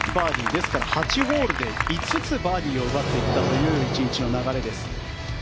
ですから８ホールで５つバーディーを奪っていったという１日の流れです。